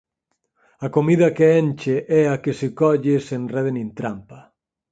A comida que enche é a que se colle sen rede nin trampa.